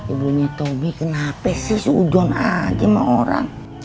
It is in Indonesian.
ibunya tobi kenapa sih udon aja sama orang